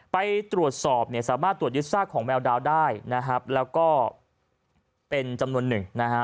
ไปตรวจสอบเนี่ยสามารถตรวจยึดซากของแมวดาวได้นะครับแล้วก็เป็นจำนวนหนึ่งนะฮะ